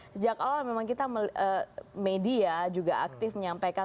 sejak awal memang kita media juga aktif menyampaikan